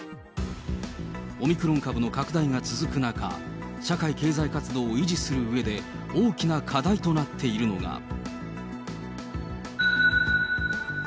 オミクロン株の拡大が続く中、社会経済活動を維持するうえで、大きな課題となっているのが。